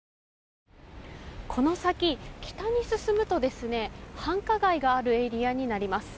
この先、北に進むと繁華街があるエリアになります。